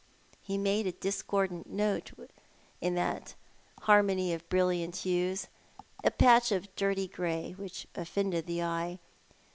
Ho made a discordant note in that harmony of brilliant hues, a patch of dirty grey which ofTonded the eye.